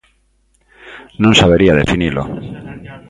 Non sabería definilo.